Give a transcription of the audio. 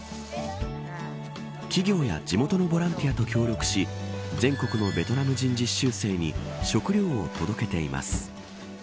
企業や地元のボランティアと協力し全国のベトナム人実習生に食料を届けています。